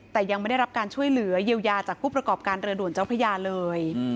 แต่ยังไม่ได้รับการช่วยเหลือเยียวยาจากผู้ประกอบการเรือด่วนเจ้าพระยาเลย